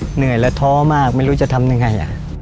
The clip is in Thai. เหนื่อยและท้อมากไม่รู้จะทำยังไง